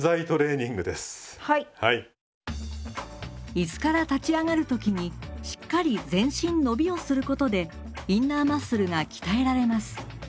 椅子から立ち上がる時にしっかり全身伸びをすることでインナーマッスルが鍛えられます。